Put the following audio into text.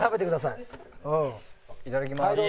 いただきます。